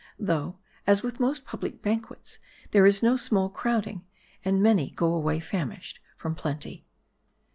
Though, as with most public banquets, there is no small crowding, and many go away famished from plenty.